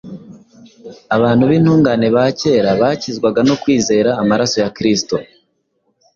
Abantu b’intungane ba kera bakizwaga no kwizera amaraso ya Kristo.